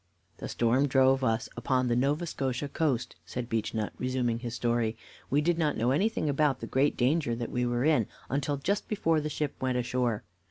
"The storm drove us upon the Nova Scotia coast," said Beechnut, resuming his story. "We did not know anything about the great danger that we were in until just before the ship went ashore.